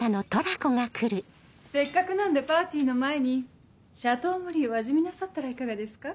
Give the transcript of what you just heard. せっかくなんでパーティーの前にシャトーモリーを味見なさったらいかがですか？